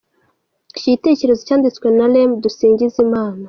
Iki giitekerezo cyanditswe na Remy Dusingizimana.